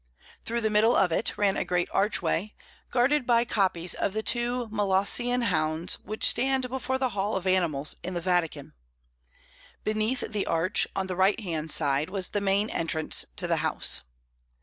Through the middle of it ran a great archway, guarded by copies of the two Molossian hounds which stand before the Hall of Animals in the Vatican; beneath the arch, on the right hand side, was the main entrance to the house.